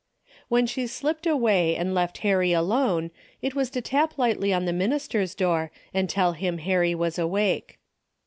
When she slipped away and left Harry alone, it was to tap lightly on the minister's door and tell him Harry was awake.